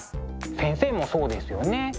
先生もそうですよね。